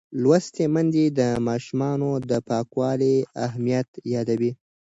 لوستې میندې د ماشومانو د پاکوالي اهمیت یادوي.